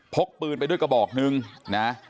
กปืนไปด้วยกระบอกนึงนะ